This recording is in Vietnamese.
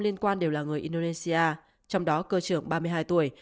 liên quan đều là người indonesia trong đó cơ trưởng ba mươi hai tuổi